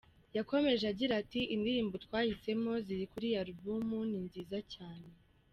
Yakomeje agira ati “Indirimbo twahisemo ziri kuri iyi album ni nziza cyane.